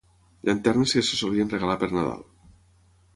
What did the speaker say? Llanternes que se solien regalar per Nadal.